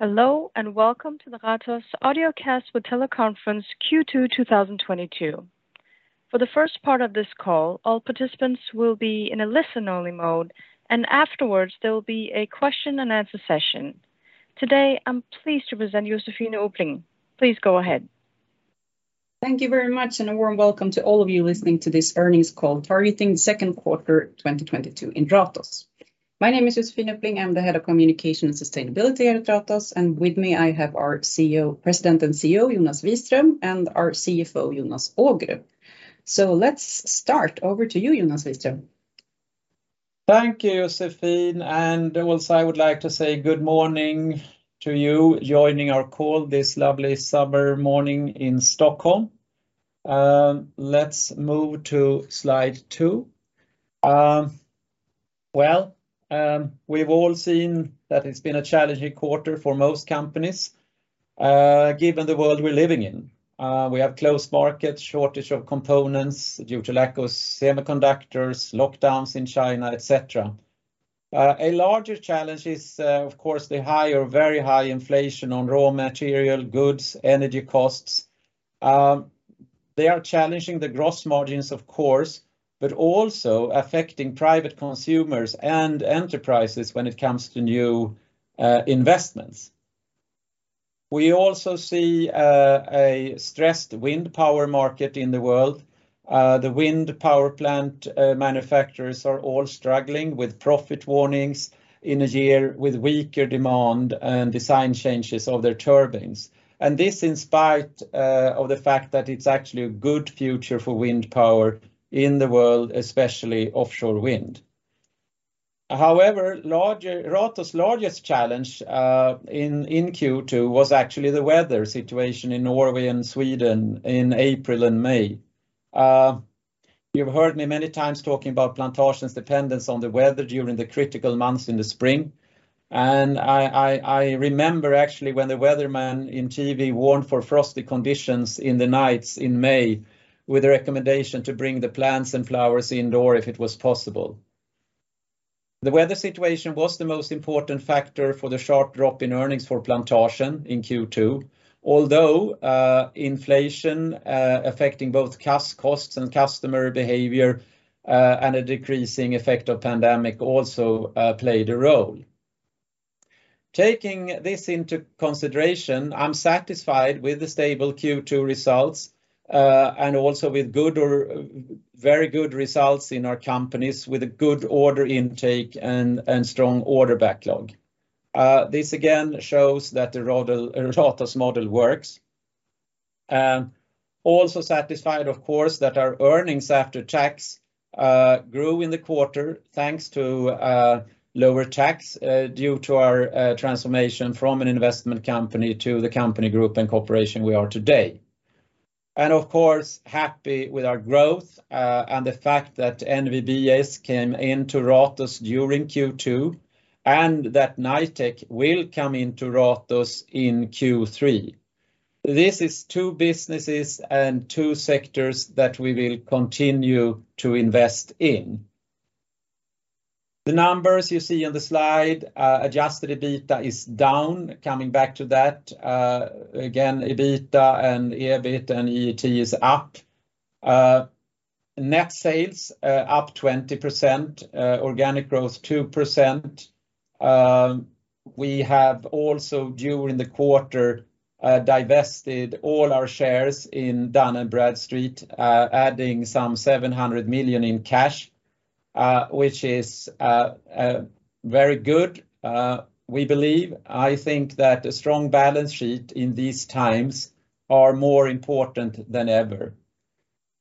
Hello, and welcome to the Ratos Audiocast with Teleconference Q2 2022. For the first part of this call, all participants will be in a listen only mode, and afterwards there will be a question and answer session. Today, I'm pleased to present Josefine Uppling. Please go ahead. Thank you very much, and a warm welcome to all of you listening to this earnings call targeting the second quarter 2022 in Ratos. My name is Josefine Uppling. I'm the Head of Communication and Sustainability at Ratos, and with me I have our CEO, President and CEO, Jonas Wiström, and our CFO, Jonas Ågrup. Let's start. Over to you, Jonas Wiström. Thank you, Josefine, and also I would like to say good morning to you joining our call this lovely summer morning in Stockholm. Let's move to slide two. Well, we've all seen that it's been a challenging quarter for most companies, given the world we're living in. We have closed markets, shortage of components due to lack of semiconductors, lockdowns in China, et cetera. A larger challenge is, of course, the high or very high inflation on raw material, goods, energy costs. They are challenging the gross margins of course, but also affecting private consumers and enterprises when it comes to new investments. We also see a stressed wind power market in the world. The wind power plant manufacturers are all struggling with profit warnings in a year with weaker demand and design changes of their turbines, and this in spite of the fact that it's actually a good future for wind power in the world, especially offshore wind. However, Ratos' largest challenge in Q2 was actually the weather situation in Norway and Sweden in April and May. You've heard me many times talking about Plantasjen's dependence on the weather during the critical months in the spring, and I remember actually when the weatherman on TV warned of frosty conditions in the nights in May with a recommendation to bring the plants and flowers indoors if it was possible. The weather situation was the most important factor for the sharp drop in earnings for Plantasjen in Q2, although inflation affecting both costs and customer behavior and a decreasing effect of pandemic also played a role. Taking this into consideration, I'm satisfied with the stable Q2 results and also with good or very good results in our companies with a good order intake and strong order backlog. This again shows that the Ratos model works. Also satisfied of course that our earnings after tax grew in the quarter, thanks to lower tax due to our transformation from an investment company to the company group and corporation we are today. Of course, happy with our growth and the fact that NVBS came into Ratos during Q2, and that Knightec will come into Ratos in Q3. This is two businesses and two sectors that we will continue to invest in. The numbers you see on the slide, adjusted EBITA is down. Coming back to that, again, EBITA and EBIT and EBITDA is up. Net sales up 20%, organic growth 2%. We have also during the quarter divested all our shares in Dun & Bradstreet, adding some 700 million in cash, which is a very good, we believe. I think that a strong balance sheet in these times are more important than ever.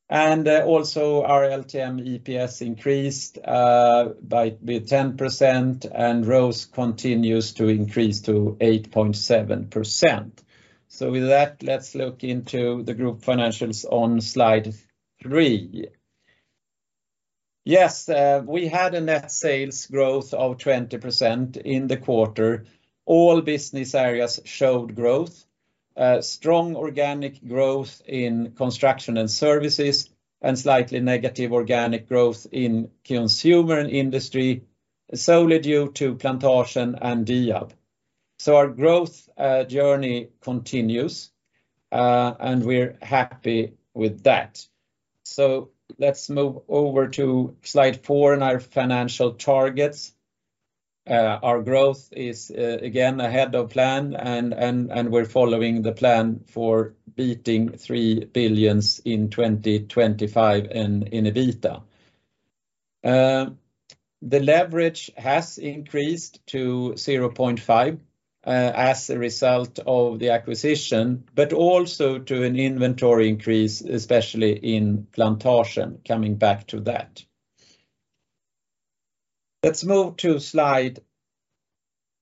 Also our LTM EPS increased by 10%, and ROCE continues to increase to 8.7%. With that, let's look into the group financials on slide three. Yes, we had a net sales growth of 20% in the quarter. All business areas showed growth. Strong organic growth in Construction and Services, and slightly negative organic growth in Consumer and Industry, solely due to Plantasjen and Diab. Our growth journey continues, and we're happy with that. Let's move over to slide four and our financial targets. Our growth is again ahead of plan, and we're following the plan for beating 3 billion in 2025 in EBITA. The leverage has increased to 0.5, as a result of the acquisition, but also to an inventory increase, especially in Plantasjen, coming back to that. Let's move to slide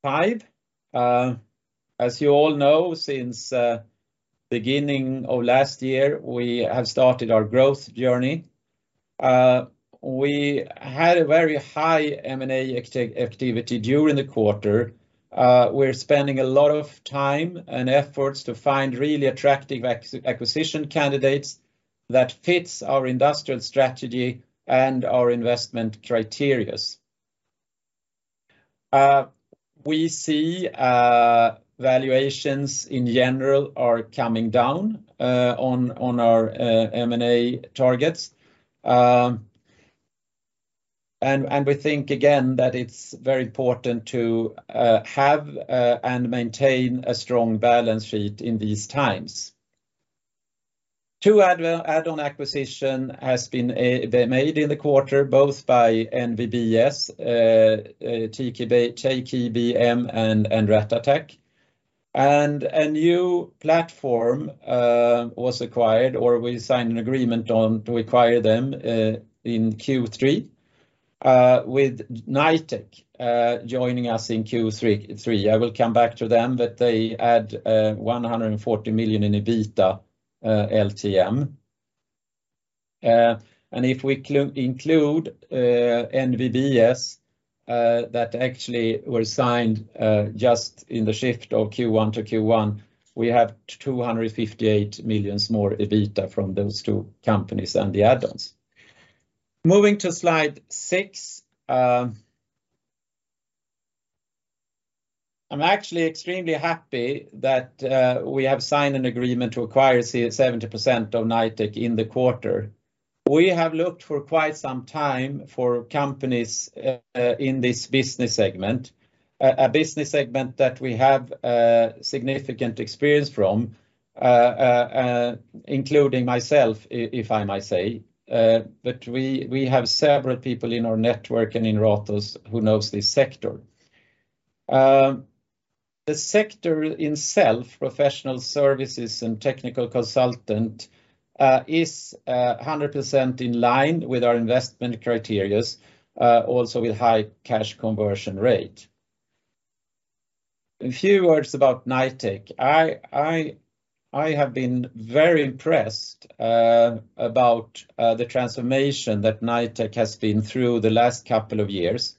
five. As you all know, since beginning of last year, we have started our growth journey. We had a very high M&A activity during the quarter. We're spending a lot of time and efforts to find really attractive acquisition candidates. That fits our industrial strategy and our investment criteria. We see valuations in general are coming down on our M&A targets. We think again that it's very important to have and maintain a strong balance sheet in these times. Two well add-on acquisition has been made in the quarter, both by NVBS, TKBM, and Ratatech. A new platform was acquired, or we signed an agreement on to acquire them in Q3 with Knightec joining us in Q3. I will come back to them, but they add 140 million in EBITDA LTM. If we include NVBS, that actually were signed just in the shift of Q1-Q1, we have 258 million more EBITDA from those two companies and the add-ons. Moving to slide six, I'm actually extremely happy that we have signed an agreement to acquire 70% of Knightec in the quarter. We have looked for quite some time for companies in this business segment that we have significant experience from, including myself, if I may say. We have several people in our network and in Ratos who knows this sector. The sector itself, professional services and technical consulting, is 100% in line with our investment criteria, also with high cash conversion rate. A few words about Knightec. I have been very impressed about the transformation that Knightec has been through the last couple of years.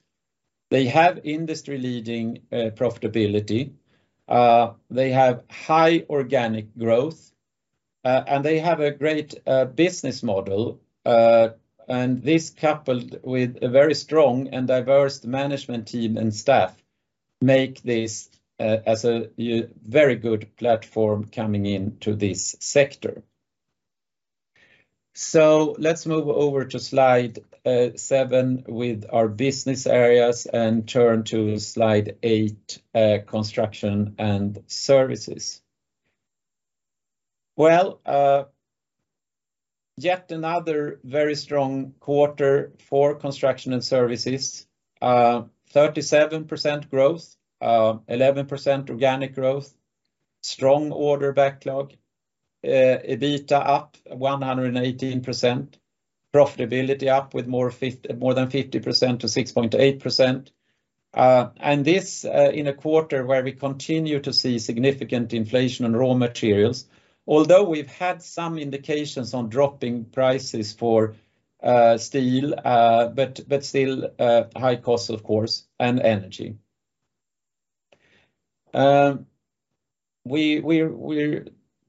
They have industry-leading profitability, they have high organic growth, and they have a great business model, and this coupled with a very strong and diverse management team and staff make this as a very good platform coming into this sector. Let's move over to slide seven with our business areas and turn to slide eight, Construction and Services. Well, yet another very strong quarter for Construction and Services. 37% growth, 11% organic growth, strong order backlog, EBITDA up 118%, profitability up with more than 50% to 6.8%. This in a quarter where we continue to see significant inflation in raw materials, although we've had some indications on dropping prices for steel, but still high costs, of course, and energy. We're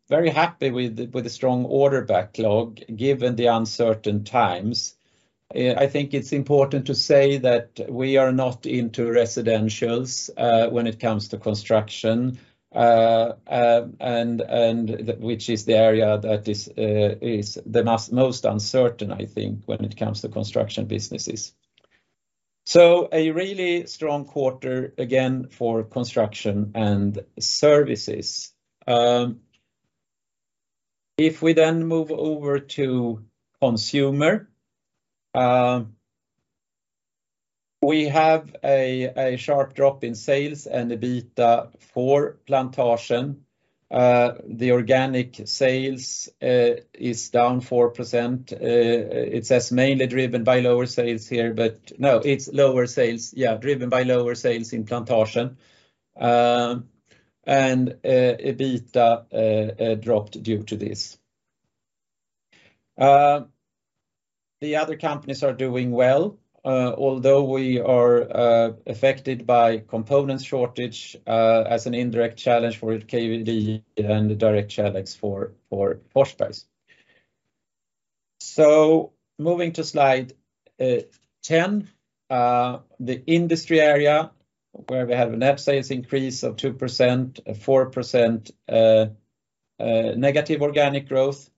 very happy with the strong order backlog given the uncertain times. I think it's important to say that we are not into residentials when it comes to construction, which is the area that is most uncertain, I think, when it comes to construction businesses. A really strong quarter again for Construction and Services. If we then move over to Consumer, we have a sharp drop in sales and EBITDA for Plantasjen. The organic sales is down 4%. It says mainly driven by lower sales here, driven by lower sales in Plantasjen. EBITDA dropped due to this. The other companies are doing well, although we are affected by component shortage, as an indirect challenge for KVD and a direct challenge for HL Display. Moving to slide 10, the Industry area where we have a net sales increase of 2%, a 4% negative organic growth,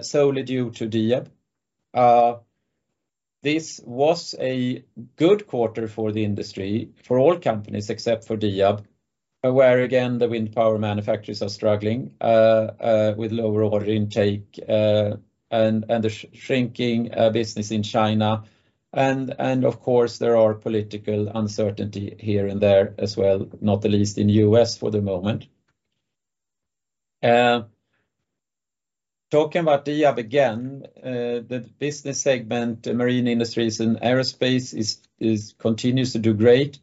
solely due to Diab. This was a good quarter for the industry for all companies except for Diab, where again, the wind power manufacturers are struggling with lower order intake, and the shrinking business in China and, of course, there are political uncertainty here and there as well, not least in U.S. for the moment. Talking about Diab again, the business segment, marine industries and aerospace continues to do great,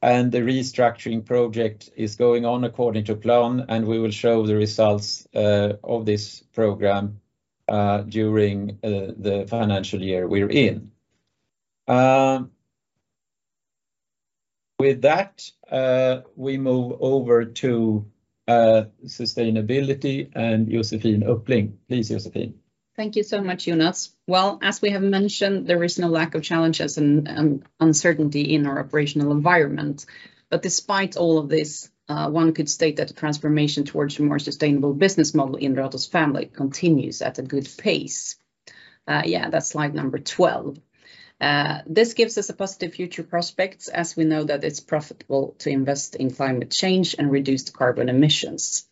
and the restructuring project is going on according to plan, and we will show the results of this program during the financial year we're in. With that, we move over to sustainability and Josefine Uppling. Please, Josefine. Thank you so much, Jonas. Well, as we have mentioned, there is no lack of challenges and uncertainty in our operational environment. Despite all of this, one could state that the transformation towards a more sustainable business model in Ratos family continues at a good pace. Yeah, that's slide number 12. This gives us a positive future prospects as we know that it's profitable to invest in climate change and reduce the carbon emissions.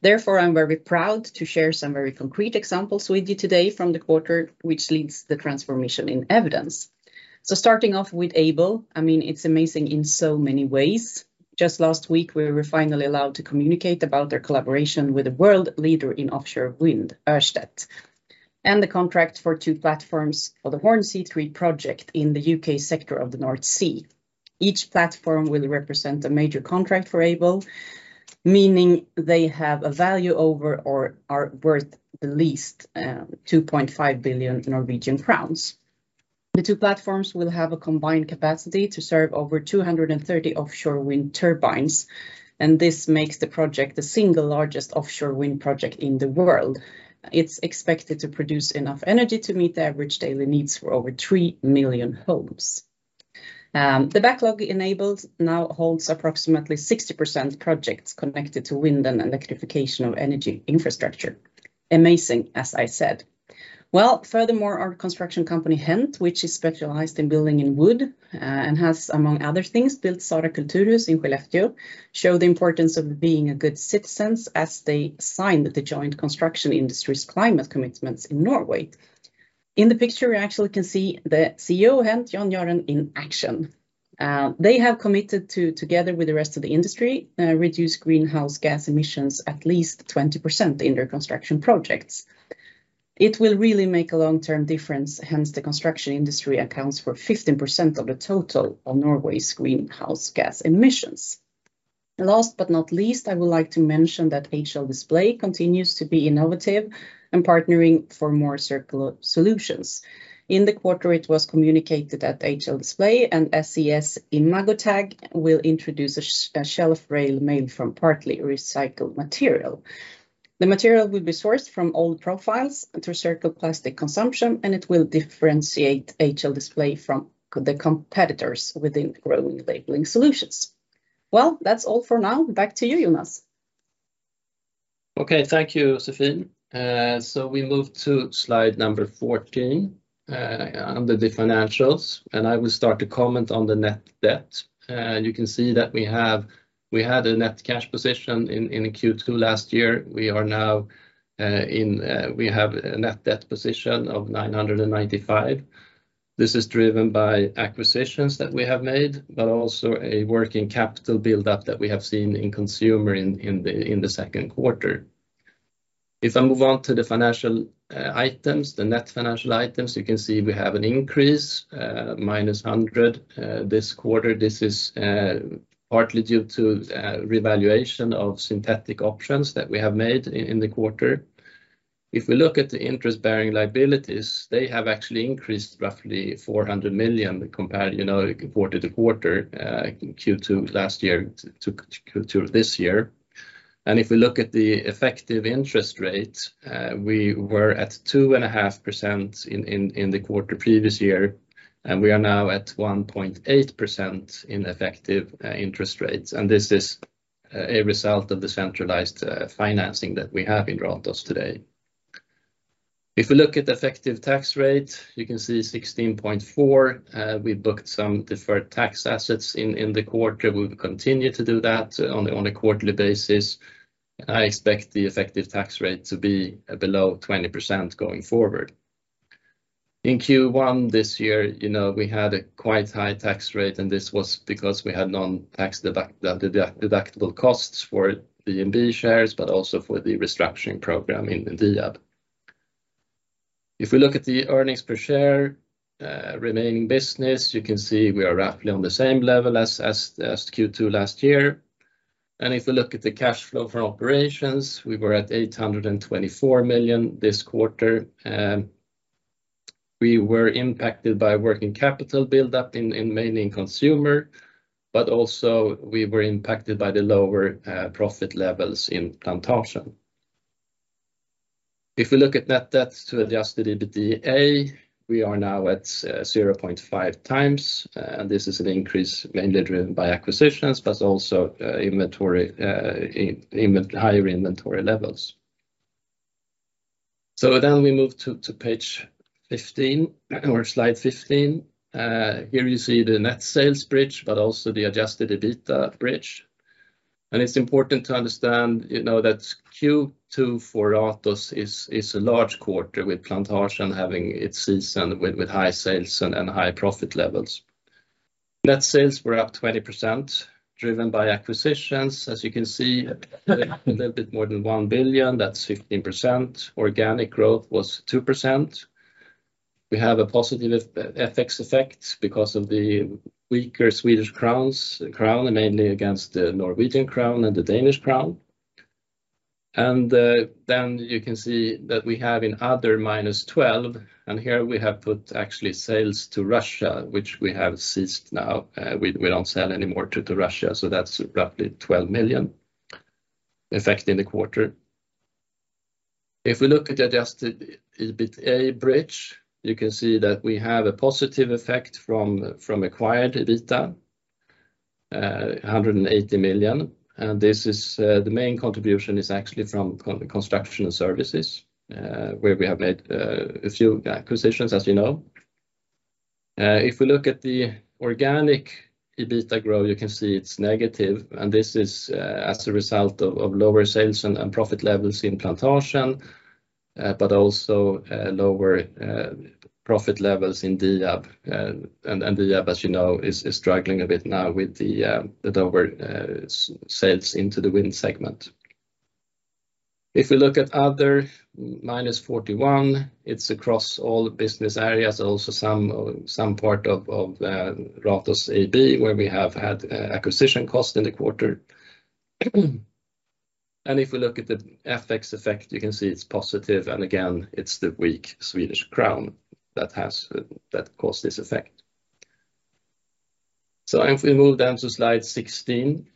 Therefore, I'm very proud to share some very concrete examples with you today from the quarter, which leads the transformation in evidence. Starting off with Aibel, I mean, it's amazing in so many ways. Just last week, we were finally allowed to communicate about their collaboration with the world leader in offshore wind, Ørsted, and the contract for two platforms for the Hornsea Three project in the U.K. sector of the North Sea. Each platform will represent a major contract for Aibel, meaning they have a value over or are worth at least 2.5 billion Norwegian crowns. The two platforms will have a combined capacity to serve over 230 offshore wind turbines, and this makes the project the single largest offshore wind project in the world. It's expected to produce enough energy to meet the average daily needs for over three million homes. The backlog Aibel now holds approximately 60% projects connected to wind and electrification of energy infrastructure. Amazing, as I said. Well, furthermore, our construction company, Hent, which is specialized in building in wood, and has, among other things, built Sara Kulturhus in Skellefteå, show the importance of being a good citizens as they signed the joint construction industry's climate commitments in Norway. In the picture, we actually can see the CEO of Hent, Jan Jahren, in action. They have committed to, together with the rest of the industry, reduce greenhouse gas emissions at least 20% in their construction projects. It will really make a long-term difference, hence, the construction industry accounts for 15% of the total of Norway's greenhouse gas emissions. Last but not least, I would like to mention that HL Display continues to be innovative and partnering for more circular solutions. In the quarter, it was communicated that HL Display and SES-imagotag will introduce a shelf rail made from partly recycled material. The material will be sourced from old profiles through circular plastic consumption, and it will differentiate HL Display from the competitors within growing labeling solutions. Well, that's all for now. Back to you, Jonas. Okay. Thank you, Josefine. We move to slide number 14, under the financials, and I will start to comment on the net debt. You can see that we had a net cash position in Q2 last year. We are now in a net debt position of 995. This is driven by acquisitions that we have made, but also a working capital build-up that we have seen in Consumer in the second quarter. If I move on to the financial items, the net financial items, you can see we have an increase, minus 100, this quarter. This is partly due to revaluation of synthetic options that we have made in the quarter. If we look at the interest-bearing liabilities, they have actually increased roughly 400 million compared, you know, quarter-over-quarter, Q2 last year to Q2 this year. If we look at the effective interest rate, we were at 2.5% in the quarter previous year, and we are now at 1.8% in effective interest rates. This is a result of the centralized financing that we have in Ratos today. If we look at effective tax rate, you can see 16.4%. We booked some deferred tax assets in the quarter. We will continue to do that on a quarterly basis. I expect the effective tax rate to be below 20% going forward. In Q1 this year, we had a quite high tax rate, and this was because we had non-tax deductible costs for LTIP shares, but also for the restructuring program in India. If we look at the earnings per share, remaining business, you can see we are roughly on the same level as Q2 last year. If we look at the cash flow for operations, we were at 824 million this quarter. We were impacted by working capital build-up mainly in Consumer, but also we were impacted by the lower profit levels in Plantasjen. If we look at net debt to adjusted EBITDA, we are now at 0.5x. This is an increase mainly driven by acquisitions, but also inventory in higher inventory levels. We move to page 15 or slide 15. Here you see the net sales bridge, but also the adjusted EBITDA bridge. It's important to understand, you know, that Q2 for Ratos is a large quarter with Plantasjen having its season with high sales and high profit levels. Net sales were up 20%, driven by acquisitions. As you can see, a little bit more than 1 billion, that's 15%. Organic growth was 2%. We have a positive FX effect because of the weaker Swedish crown, mainly against the Norwegian crown and the Danish crown. You can see that we have in other -12, and here we have put actually sales to Russia, which we have ceased now. We don't sell any more to Russia, so that's roughly 12 million effect in the quarter. If we look at adjusted EBITA bridge, you can see that we have a positive effect from acquired EBITDA, 180 million. This is the main contribution is actually from Construction and Services, where we have made a few acquisitions, as you know. If we look at the organic EBITA growth, you can see it's negative, and this is as a result of lower sales and profit levels in Plantasjen, but also lower profit levels in Diab. Diab, as you know, is struggling a bit now with the lower sales into the wind segment. If we look at other -41 million, it's across all business areas, also some part of Ratos AB, where we have had acquisition cost in the quarter. If we look at the FX effect, you can see it's positive, and again, it's the weak Swedish crown that has caused this effect. If we move down to slide 16,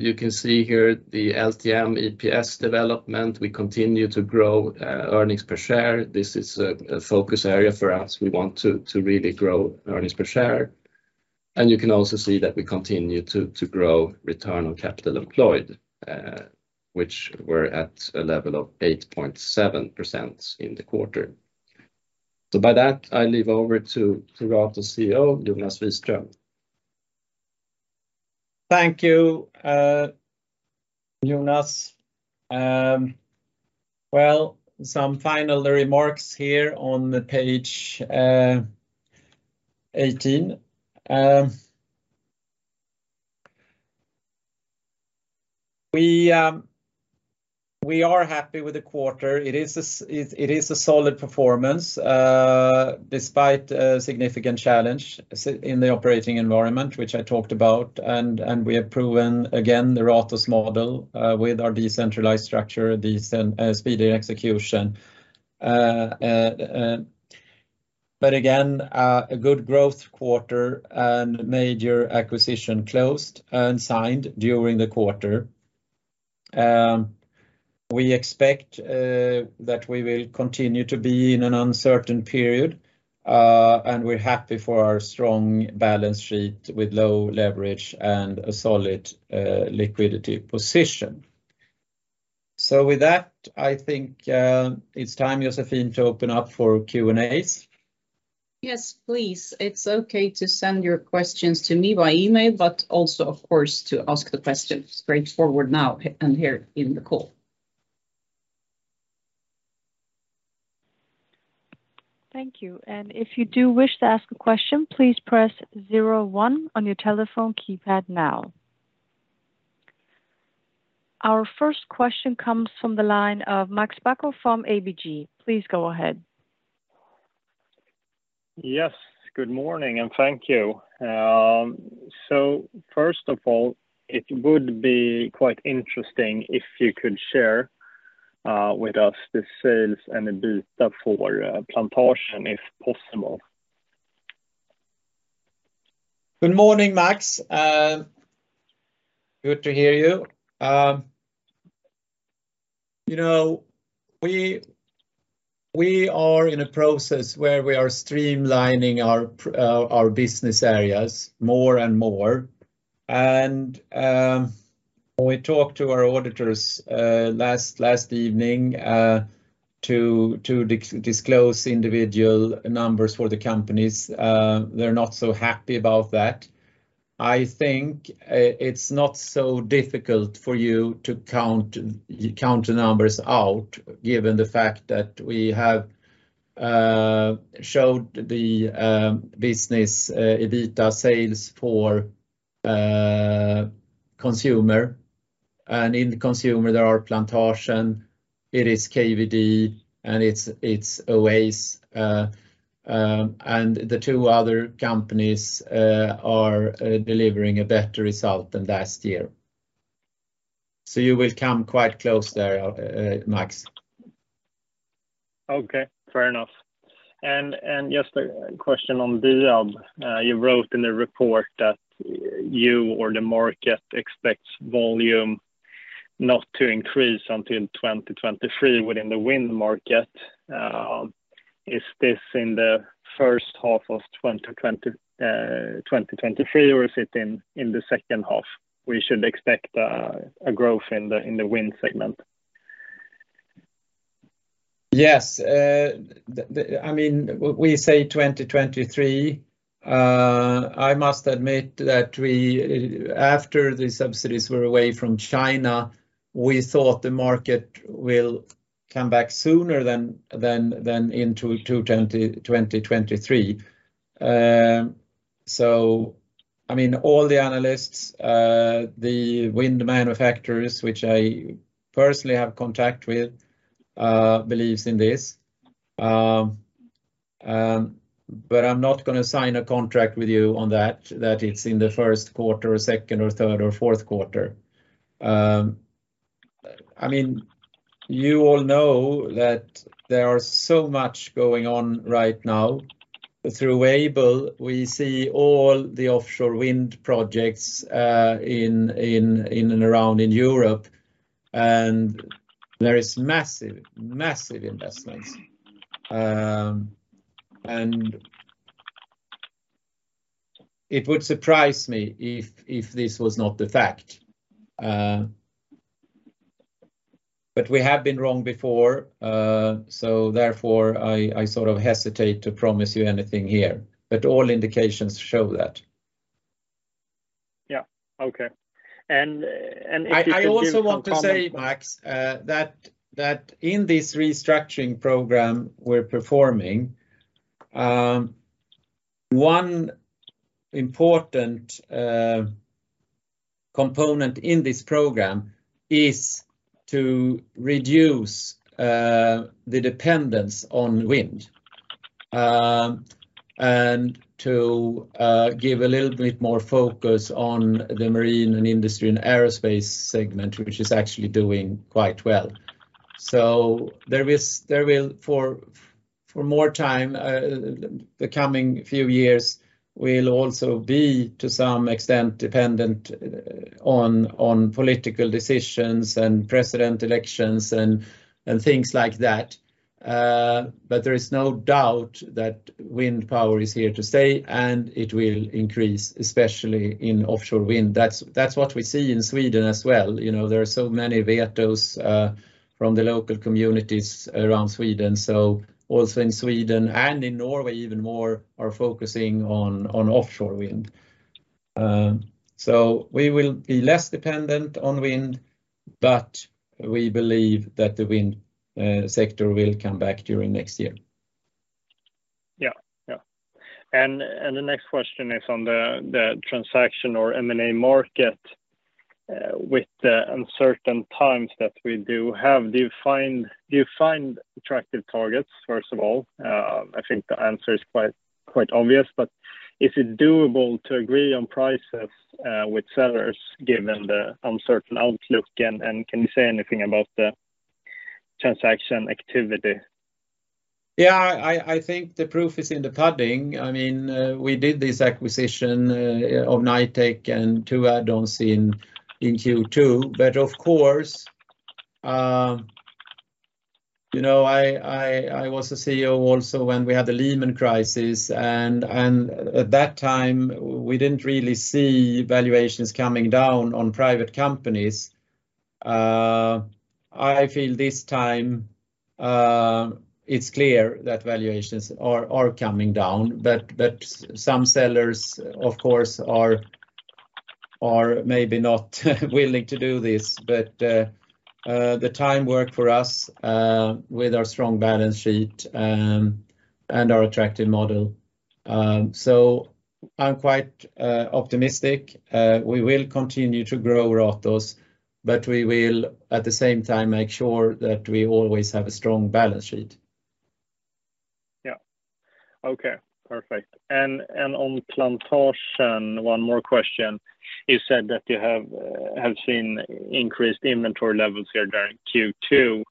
you can see here the LTM EPS development. We continue to grow earnings per share. This is a focus area for us. We want to really grow earnings per share. You can also see that we continue to grow return on capital employed, which we're at a level of 8.7% in the quarter. By that, I hand over to Ratos CEO, Jonas Wiström. Thank you, Jonas. Well, some final remarks here on page 18. We are happy with the quarter. It is a solid performance, despite a significant challenge in the operating environment, which I talked about, and we have proven again the Ratos model, with our decentralized structure, the speedy execution. Again, a good growth quarter and major acquisition closed and signed during the quarter. We expect that we will continue to be in an uncertain period, and we're happy for our strong balance sheet with low leverage and a solid liquidity position. With that, I think, it's time, Josefine, to open up for Q&As. Yes, please. It's okay to send your questions to me by email, but also, of course, to ask the questions straightforward now and here in the call. Thank you. If you do wish to ask a question, please press zero one on your telephone keypad now. Our first question comes from the line of Max Bacco from ABG. Please go ahead. Yes, good morning, and thank you. First of all, it would be quite interesting if you could share with us the sales and EBITA for Plantasjen, if possible. Good morning, Max. Good to hear you. You know, we are in a process where we are streamlining our business areas more and more. When we talked to our auditors last evening to disclose individual numbers for the companies, they're not so happy about that. I think it's not so difficult for you to count the numbers out, given the fact that we have showed the business EBITA sales for Consumer. In the Consumer, there are Plantasjen, it is KVD, and it's Oasis, and the two other companies are delivering a better result than last year. You will come quite close there, Max. Okay, fair enough. Just a question on Diab. You wrote in the report that you or the market expects volume not to increase until 2023 within the wind market. Is this in the first half of 2023, or is it in the second half we should expect a growth in the wind segment? Yes. I mean, we say 2023. I must admit that we, after the subsidies were away from China, we thought the market will come back sooner than into 2023. I mean, all the analysts, the wind manufacturers, which I personally have contact with, believes in this. But I'm not gonna sign a contract with you on that it's in the first quarter or second or third or fourth quarter. I mean, you all know that there are so much going on right now. Through Aibel, we see all the offshore wind projects in and around Europe, and there is massive investments. It would surprise me if this was not the fact. We have been wrong before, so therefore, I sort of hesitate to promise you anything here, but all indications show that. Yeah. Okay. If you could give a comment. I also want to say, Max, that in this restructuring program we're performing, one important component in this program is to reduce the dependence on wind, and to give a little bit more focus on the marine and industry and aerospace segment, which is actually doing quite well. The coming few years will also be, to some extent, dependent on political decisions and presidential elections and things like that. There is no doubt that wind power is here to stay, and it will increase, especially in offshore wind. That's what we see in Sweden as well. You know, there are so many vetoes from the local communities around Sweden. Also in Sweden and in Norway even more are focusing on offshore wind. We will be less dependent on wind, but we believe that the wind sector will come back during next year. The next question is on the transaction or M&A market with the uncertain times that we do have. Do you find attractive targets, first of all? I think the answer is quite obvious, but is it doable to agree on prices with sellers given the uncertain outlook? Can you say anything about the transaction activity? Yeah, I think the proof is in the pudding. I mean, we did this acquisition of Knightec and two add-ons in Q2. Of course, you know, I was a CEO also when we had the Lehman crisis and at that time we didn't really see valuations coming down on private companies. I feel this time it's clear that valuations are coming down, but some sellers, of course, are maybe not willing to do this. The time worked for us with our strong balance sheet and our attractive model. I'm quite optimistic. We will continue to grow Ratos, but we will at the same time make sure that we always have a strong balance sheet. Yeah. Okay. Perfect. On Plantasjen, one more question. You said that you have seen increased inventory levels here during Q2.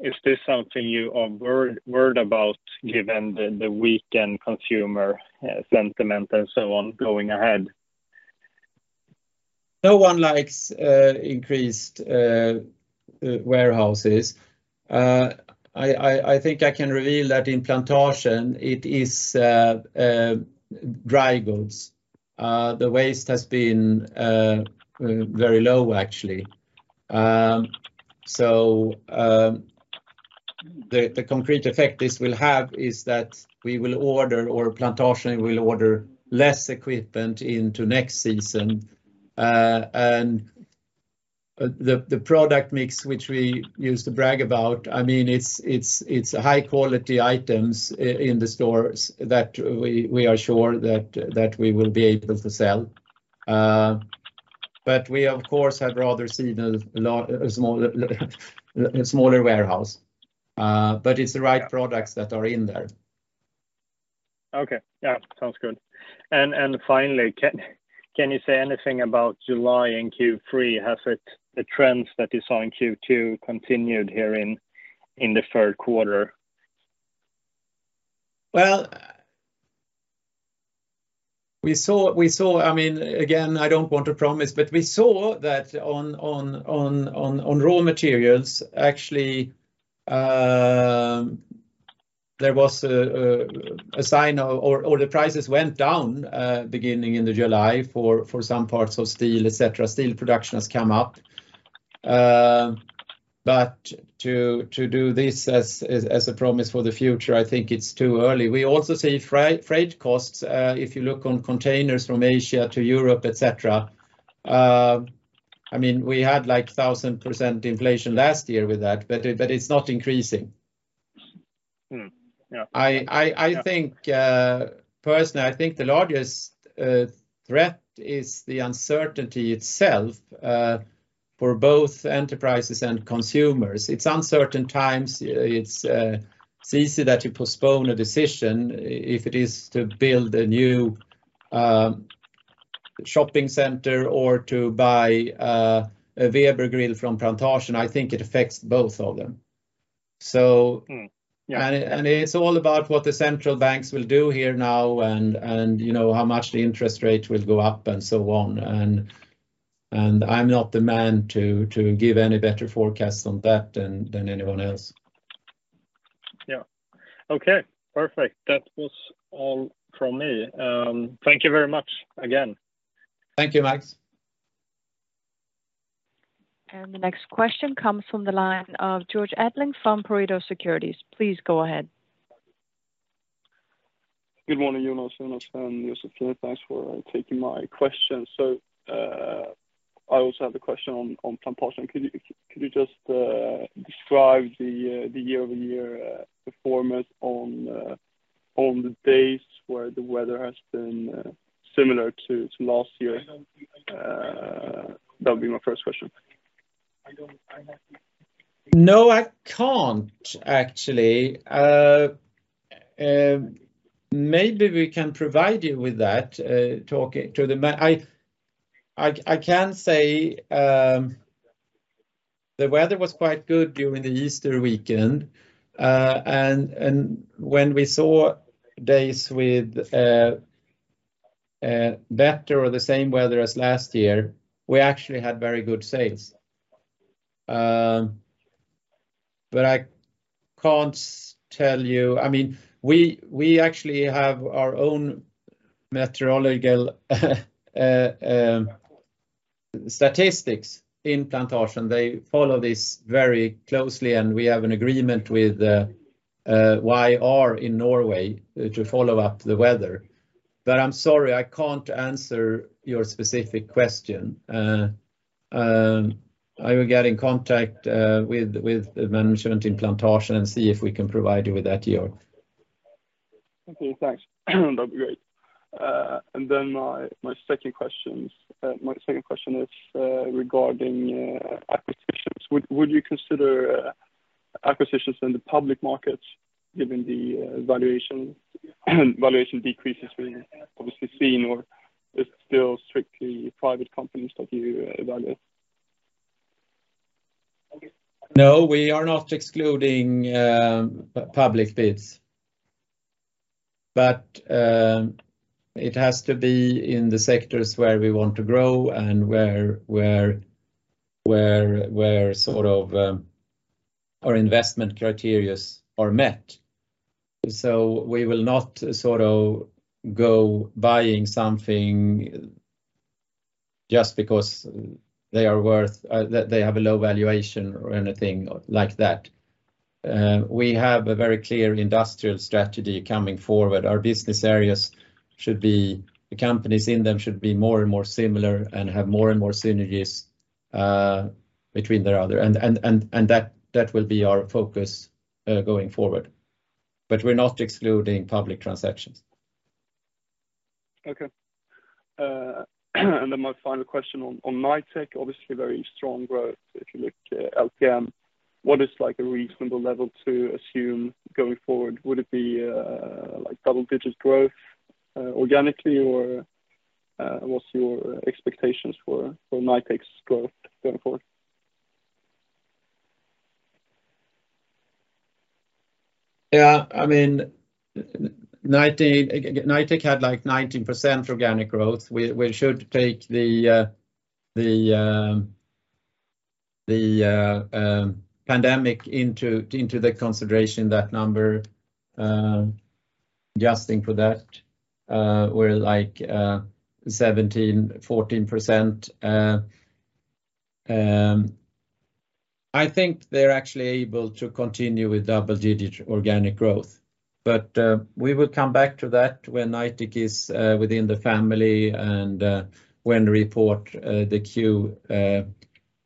Is this something you are worried about given the weakened consumer sentiment and so on going ahead? No one likes increased warehouses. I think I can reveal that in Plantasjen it is dry goods. The waste has been very low actually. The concrete effect this will have is that we will order or Plantasjen will order less equipment into next season. The product mix, which we used to brag about, I mean, it's high-quality items in the stores that we are sure that we will be able to sell. We of course have rather seen a smaller warehouse. It's the right products that are in there. Okay. Yeah. Sounds good. Finally, can you say anything about July and Q3? Have the trends that you saw in Q2 continued here in the third quarter? Well, we saw, I mean, again, I don't want to promise, but we saw that on raw materials actually, there was a sign or the prices went down beginning in July for some parts of steel, et cetera. Steel production has come up. But to do this as a promise for the future, I think it's too early. We also see freight costs, if you look on containers from Asia to Europe, et cetera. I mean, we had like 1000% inflation last year with that, but it's not increasing. Yeah. I think personally, I think the largest threat is the uncertainty itself. For both enterprises and consumers, it's uncertain times. It's easy that you postpone a decision if it is to build a new shopping center or to buy a Weber grill from Plantasjen. I think it affects both of them. Yeah. It's all about what the central banks will do here now and you know, how much the interest rate will go up and so on. I'm not the man to give any better forecast on that than anyone else. Yeah. Okay, perfect. That was all from me. Thank you very much again. Thank you, Max. The next question comes from the line of Georg Attling from Pareto Securities. Please go ahead. Good morning Jonas and Josefine. Thanks for taking my questions. I also have the question on Plantasjen. Can you just describe the year-over-year performance on the days where the weather has been similar to last year? That would be my first question. No, I can't actually. Maybe we can provide you with that. I can say the weather was quite good during the Easter weekend. When we saw days with better or the same weather as last year, we actually had very good sales. I can't tell you. I mean, we actually have our own meteorological statistics in Plantasjen. They follow this very closely, and we have an agreement with Yr in Norway to follow up the weather. I'm sorry, I can't answer your specific question. I will get in contact with the management in Plantasjen and see if we can provide you with that year. Okay, thanks. That'd be great. And then my second question is regarding acquisitions. Would you consider acquisitions in the public markets given the valuation decreases we've obviously seen, or is it still strictly private companies that you value? No, we are not excluding public bids. It has to be in the sectors where we want to grow and where sort of our investment criteria are met. We will not sort of go buying something just because they have a low valuation or anything like that. We have a very clear industrial strategy going forward. The companies in them should be more and more similar and have more and more synergies between each other. That will be our focus going forward. We're not excluding public transactions. Okay. And then my final question on Knightec, obviously very strong growth if you look to LTM. What is, like, a reasonable level to assume going forward? Would it be like double-digit growth organically, or what's your expectations for Knightec's growth going forward? Yeah, I mean, Knightec had like 19% organic growth. We should take the pandemic into consideration, that number, adjusting for that, were like 17, 14%. I think they're actually able to continue with double-digit organic growth. We will come back to that when Knightec is within the family and when we report the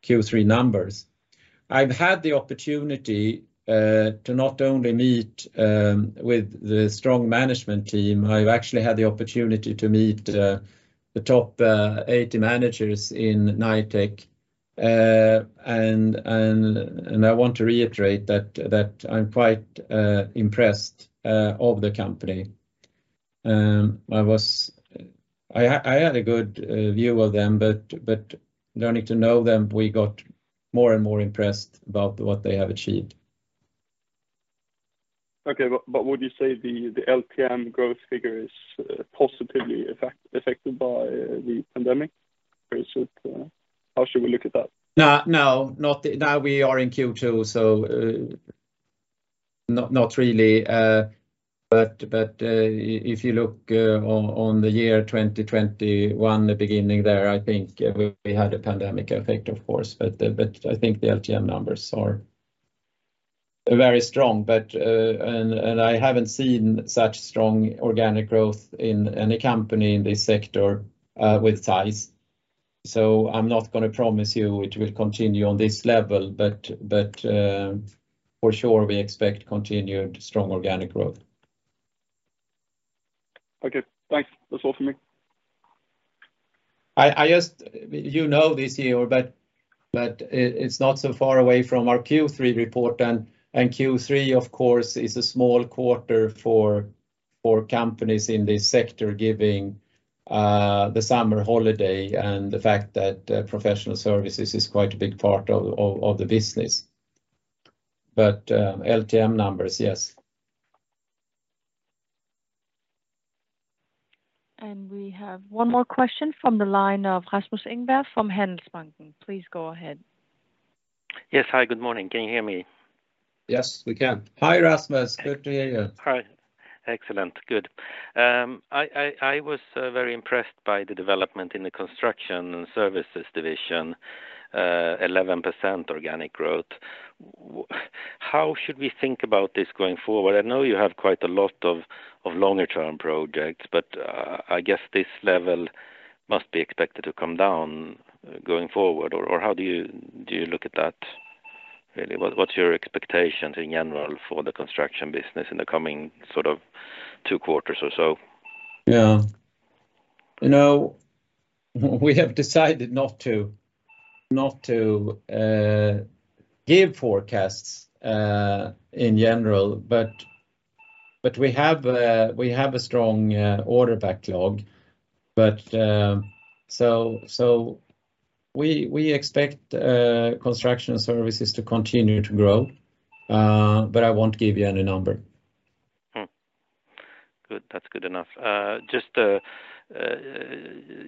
Q3 numbers. I've had the opportunity to not only meet with the strong management team, I've actually had the opportunity to meet the top 80 managers in Knightec. I want to reiterate that I'm quite impressed of the company. I had a good view of them, but learning to know them, we got more and more impressed about what they have achieved. Okay. Would you say the LTM growth figure is positively affected by the pandemic? Or is it? How should we look at that? No, no. Now we are in Q2, so not really. If you look on the year 2021, the beginning there, I think we had a pandemic effect, of course. I think the LTM numbers are very strong. I haven't seen such strong organic growth in any company in this sector with size. I'm not gonna promise you it will continue on this level, but for sure, we expect continued strong organic growth. Okay, thanks. That's all for me. You know this year, but it's not so far away from our Q3 report and Q3, of course, is a small quarter for companies in this sector, giving the summer holiday and the fact that professional services is quite a big part of the business. LTM numbers, yes. We have one more question from the line of Rasmus Engberg from Handelsbanken. Please go ahead. Yes. Hi, good morning. Can you hear me? Yes, we can. Hi, Rasmus. Good to hear you. Hi. Excellent. Good. I was very impressed by the development in the Construction and Services division, 11% organic growth. How should we think about this going forward? I know you have quite a lot of longer term projects, but I guess this level must be expected to come down going forward or how do you look at that? Really, what's your expectations in general for the construction business in the coming, sort of, two quarters or so? Yeah. You know, we have decided not to give forecasts in general, but we have a strong order backlog. We expect Construction and Services to continue to grow, but I won't give you any number. Mm-hmm. Good. That's good enough.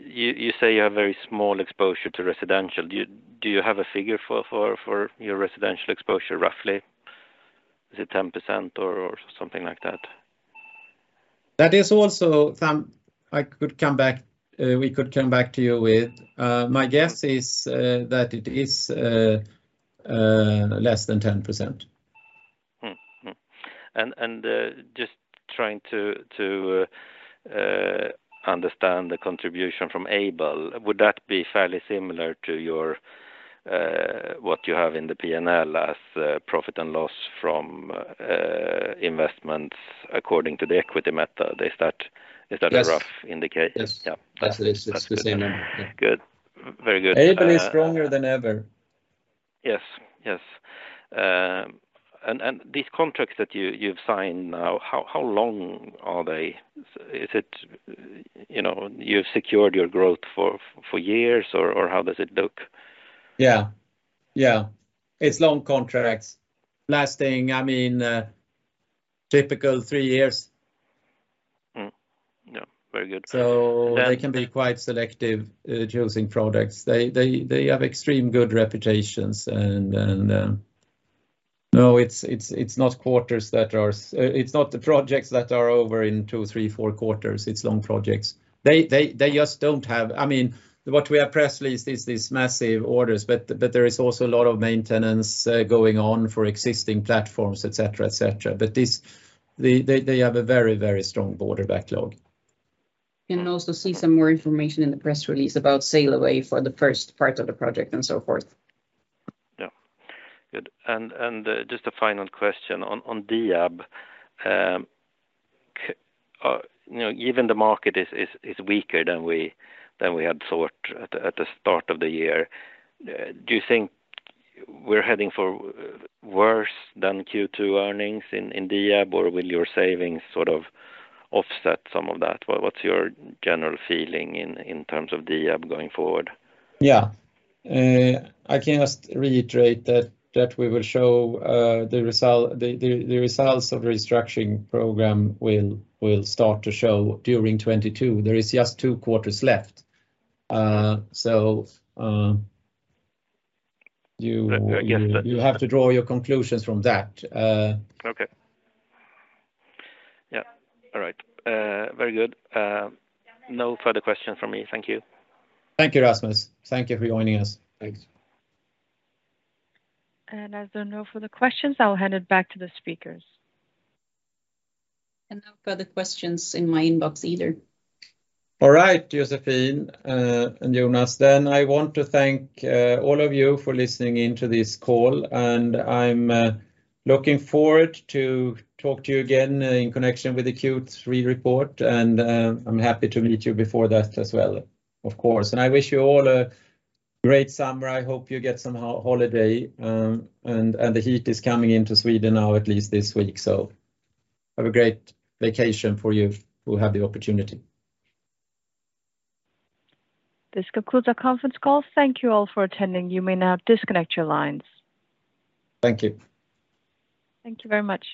You say you have very small exposure to residential. Do you have a figure for your residential exposure, roughly? Is it 10% or something like that? We could come back to you with. My guess is less than 10%. Mm-hmm. Mm-hmm. Just trying to understand the contribution from Aibel. Would that be fairly similar to your what you have in the P&L as profit and loss from investments according to the equity method? Is that- Yes. Is that a rough indicator? Yes. Yeah. Yes, it is. It's the same number. Good. Very good. ABL is stronger than ever. Yes. These contracts that you've signed now, how long are they? Is it, you know, you've secured your growth for years or how does it look? Yeah. It's long contracts lasting, I mean, typical three years. Yeah. Very good. So they can be quite selective choosing products. They have extremely good reputations. It's not the projects that are over in two, three, four quarters. It's long projects. I mean, what we have press released is these massive orders, but there is also a lot of maintenance going on for existing platforms, et cetera. They have a very strong order backlog. You can also see some more information in the press release about sail away for the first part of the project and so forth. Yeah. Good. Just a final question on Diab. You know, even the market is weaker than we had thought at the start of the year. Do you think we're heading for worse than Q2 earnings in Diab, or will your savings sort of offset some of that? What's your general feeling in terms of Diab going forward? I can just reiterate that we will show the results of the restructuring program will start to show during 2022. There is just two quarters left. Yes. You have to draw your conclusions from that. Okay. Yeah. All right. Very good. No further questions from me. Thank you. Thank you, Rasmus. Thank you for joining us. Thanks. As there are no further questions, I'll hand it back to the speakers. No further questions in my inbox either. All right, Josefine and Jonas. I want to thank all of you for listening in to this call, and I'm looking forward to talk to you again in connection with the Q3 report, and I'm happy to meet you before that as well, of course. I wish you all a great summer. I hope you get some holiday, and the heat is coming into Sweden now, at least this week. Have a great vacation for you who have the opportunity. This concludes our conference call. Thank you all for attending. You may now disconnect your lines. Thank you. Thank you very much.